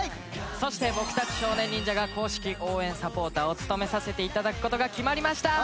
そして僕たち少年忍者が公式応援サポーターを務めさせて頂く事が決まりました。